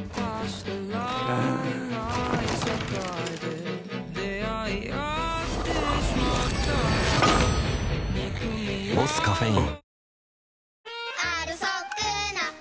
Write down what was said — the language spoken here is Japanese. うん「ボスカフェイン」